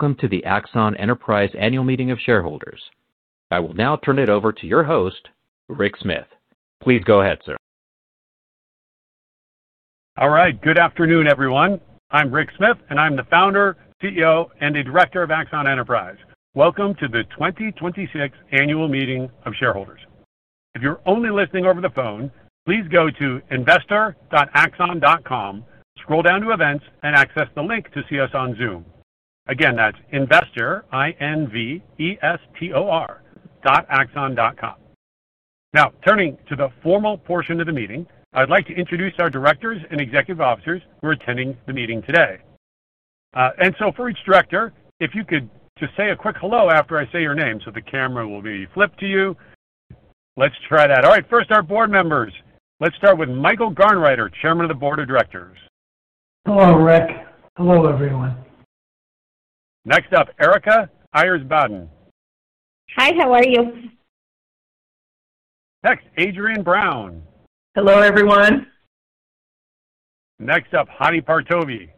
Welcome to the Axon Enterprise Annual Meeting of Shareholders. I will now turn it over to your host, Rick Smith. Please go ahead, sir. All right. Good afternoon, everyone. I'm Rick Smith, and I'm the founder, CEO, and a director of Axon Enterprise. Welcome to the 2026 Annual Meeting of Shareholders. If you're only listening over the phone, please go to investor.axon.com, scroll down to Events, and access the link to see us on Zoom. Again, that's investor, I-N-V-E-S-T-O-R, .axon.com. Now, turning to the formal portion of the meeting, I'd like to introduce our directors and executive officers who are attending the meeting today. For each director, if you could just say a quick hello after I say your name, so the camera will be flipped to you. Let's try that. All right. First, our board members. Let's start with Michael Garnreiter, Chairman of the Board of Directors. Hello, Rick. Hello, everyone. Next up, Erika Ayers Badan. Hi, how are you? Next, Adriane Brown. Hello, everyone. Next up, Hadi Partovi,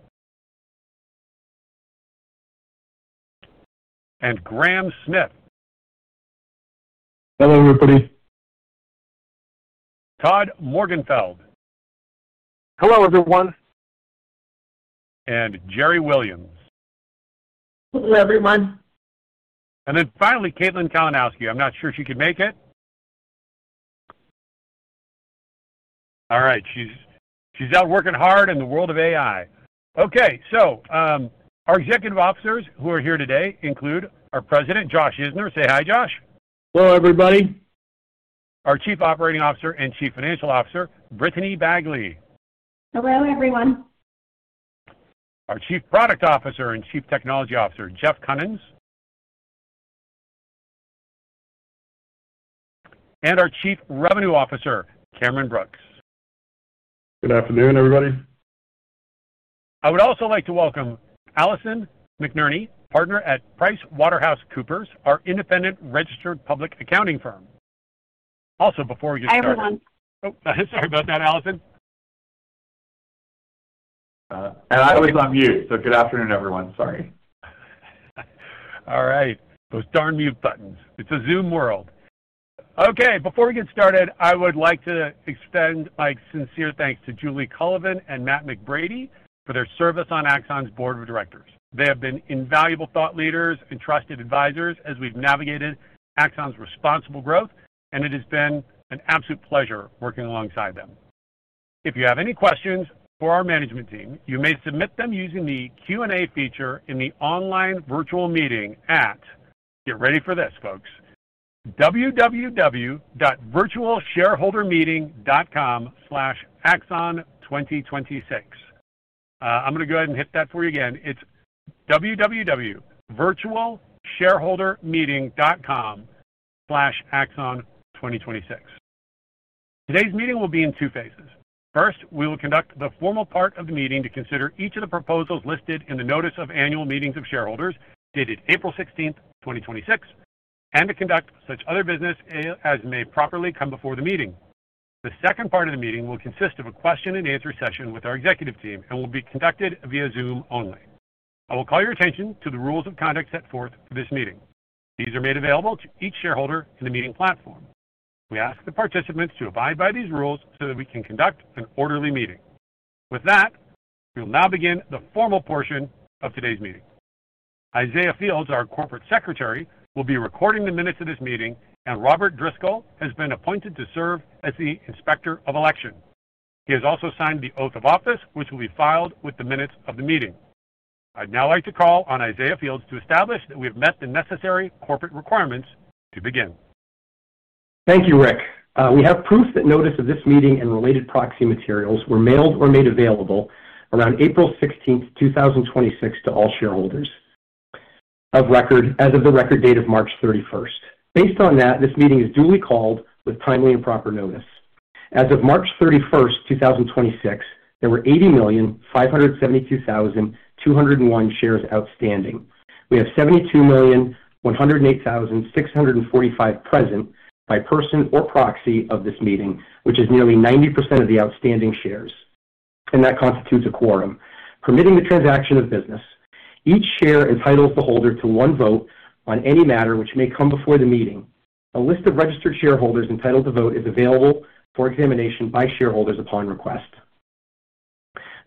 and Graham Smith. Hello, everybody. Todd Morgenfeld. Hello, everyone. Jeri Williams. Hello, everyone. Finally, Caitlin Kalinowski. I'm not sure if she could make it. All right. She's out working hard in the world of AI. Okay. Our President, Josh Isner. Say hi, Josh. Hello, everybody. Our Chief Operating Officer and Chief Financial Officer, Brittany Bagley. Hello, everyone. Our Chief Product Officer and Chief Technology Officer, Jeff Kunins. Our Chief Revenue Officer, Cameron Brooks. Good afternoon, everybody. I would also like to welcome Alison McNerney, Partner at PricewaterhouseCoopers, our independent registered public accounting firm. Also, Hi, everyone. Oh, sorry about that, Alison. I was on mute. Good afternoon, everyone. Sorry. All right. Those darn mute buttons. It's a Zoom world. Okay, before we get started, I would like to extend my sincere thanks to Julie Cullivan and Matt McBrady for their service on Axon's board of directors. They have been invaluable thought leaders and trusted advisors as we've navigated Axon's responsible growth, and it has been an absolute pleasure working alongside them. If you have any questions for our management team, you may submit them using the Q&A feature in the online virtual meeting at, get ready for this, folks, www.virtualshareholdermeeting.com/axon2026. I'm going to go ahead and hit that for you again. It's www.virtualshareholdermeeting.com/axon2026. Today's meeting will be in two phases. First, we will conduct the formal part of the meeting to consider each of the proposals listed in the notice of annual meetings of shareholders, dated April 16th, 2026, and to conduct such other business as may properly come before the meeting. The second part of the meeting will consist of a question and answer session with our executive team and will be conducted via Zoom only. I will call your attention to the rules of conduct set forth for this meeting. These are made available to each shareholder in the meeting platform. We ask the participants to abide by these rules so that we can conduct an orderly meeting. With that, we will now begin the formal portion of today's meeting. Isaiah Fields, our Corporate Secretary, will be recording the minutes of this meeting, and Robert Driscoll has been appointed to serve as the Inspector of Election. He has also signed the oath of office, which will be filed with the minutes of the meeting. I'd now like to call on Isaiah Fields to establish that we have met the necessary corporate requirements to begin. Thank you, Rick. We have proof that notice of this meeting and related proxy materials were mailed or made available around April 16th, 2026 to all shareholders as of the record date of March 31st. Based on that, this meeting is duly called with timely and proper notice. As of March 31st, 2026, there were 80,572,201 shares outstanding. We have 72,108,645 present by person or proxy of this meeting, which is nearly 90% of the outstanding shares, and that constitutes a quorum, permitting the transaction of business. Each share entitles the holder to one vote on any matter which may come before the meeting. A list of registered shareholders entitled to vote is available for examination by shareholders upon request.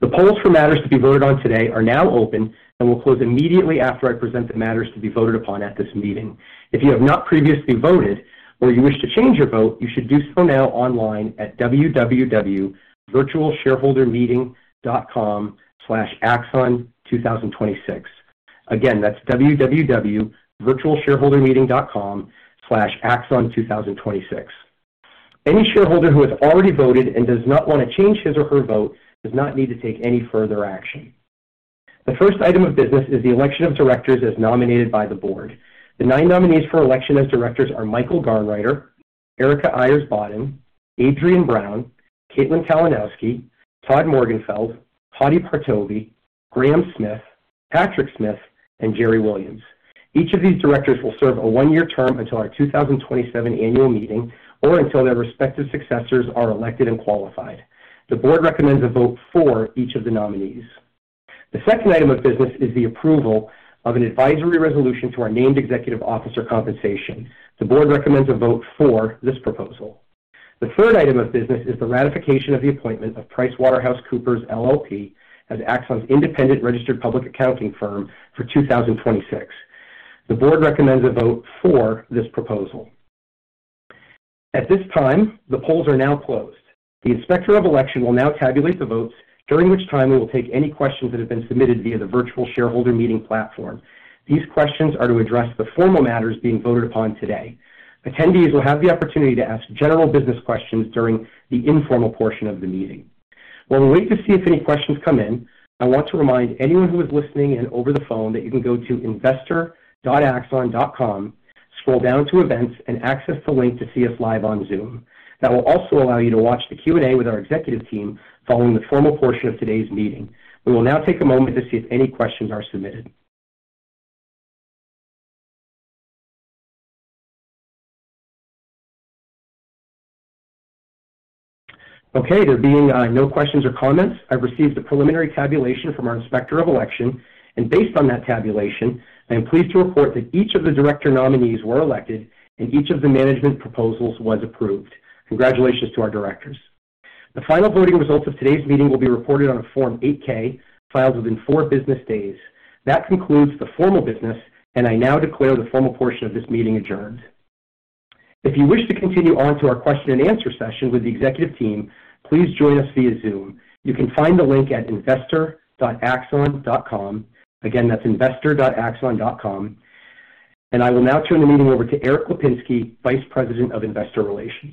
The polls for matters to be voted on today are now open and will close immediately after I present the matters to be voted upon at this meeting. If you have not previously voted or you wish to change your vote, you should do so now online at www.virtualshareholdermeeting.com/axon2026. Again, that's www.virtualshareholdermeeting.com/axon2026. Any shareholder who has already voted and does not want to change his or her vote does not need to take any further action. The first item of business is the election of directors as nominated by the board. The nine nominees for election as directors are Michael Garnreiter, Erika Ayers Badan, Adriane Brown, Caitlin Kalinowski, Todd Morgenfeld, Hadi Partovi, Graham Smith, Rick Smith, and Jeri Williams. Each of these directors will serve a one-year term until our 2027 annual meeting or until their respective successors are elected and qualified. The board recommends a vote for each of the nominees. The second item of business is the approval of an advisory resolution to our named executive officer compensation. The board recommends a vote for this proposal. The third item of business is the ratification of the appointment of PricewaterhouseCoopers LLP as Axon's independent registered public accounting firm for 2026. The board recommends a vote for this proposal. At this time, the polls are now closed. The Inspector of Election will now tabulate the votes, during which time we will take any questions that have been submitted via the virtual shareholder meeting platform. These questions are to address the formal matters being voted upon today. Attendees will have the opportunity to ask general business questions during the informal portion of the meeting. While we wait to see if any questions come in, I want to remind anyone who is listening in over the phone that you can go to investor.axon.com, scroll down to Events, and access the link to see us live on Zoom. That will also allow you to watch the Q&A with our executive team following the formal portion of today's meeting. We will now take a moment to see if any questions are submitted. Okay, there being no questions or comments, I've received a preliminary tabulation from our Inspector of Election, and based on that tabulation, I am pleased to report that each of the director nominees were elected, and each of the management proposals was approved. Congratulations to our directors. The final voting results of today's meeting will be reported on a Form 8-K filed within four business days. That concludes the formal business. I now declare the formal portion of this meeting adjourned. If you wish to continue on to our question and answer session with the executive team, please join us via Zoom. You can find the link at investor.axon.com. Again, that's investor.axon.com. I will now turn the meeting over to Erik Lapinski, Vice President of Investor Relations.